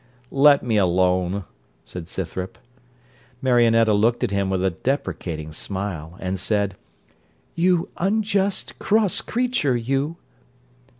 'Let me alone,' said Scythrop. Marionetta looked at him with a deprecating smile, and said, 'You unjust, cross creature, you.'